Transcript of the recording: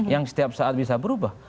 yang setiap saat bisa berubah